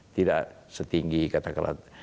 tidak setinggi katakanlah